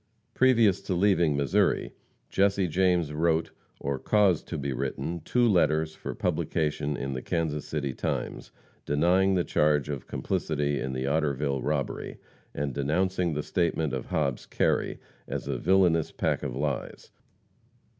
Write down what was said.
Previous to leaving Missouri, Jesse James wrote, or caused to be written, two letters for publication in the Kansas City Times, denying the charge of complicity in the Otterville robbery, and denouncing the statement of Hobbs Kerry as "a villainous pack of lies."